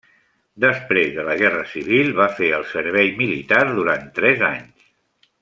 Després de la Guerra Civil va fer el servei militar durant tres anys.